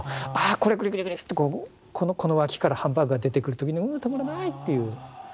これクニクニクニってこの脇からハンバーグが出てくる時にたまらないっていう。